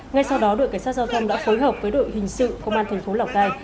ngay sau đó đội cảnh sát giao thông đã phối hợp với đội hình sự công an thành phố lào cai